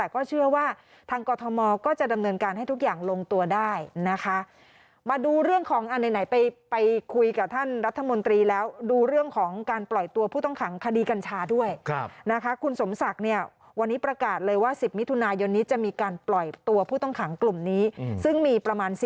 คุณสมศักดิ์เนี่ยวันนี้ประกาศเลยว่า๑๐มิถุนายนนี้